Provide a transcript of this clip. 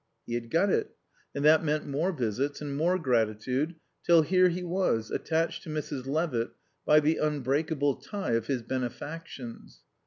He had got it; and that meant more visits and more gratitude; till here he was, attached to Mrs. Levitt by the unbreakable tie of his benefactions.